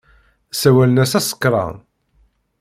Ssawalen-as asekran.